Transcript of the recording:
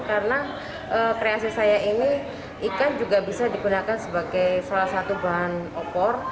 karena kreasi saya ini ikan juga bisa digunakan sebagai salah satu bahan opor